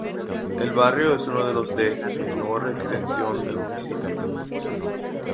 El barrio es uno de los de menor extensión del municipio.